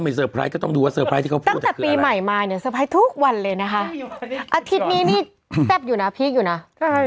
เพราะตำรวจเค้าส่งเอนนี้ไปแล้วว่า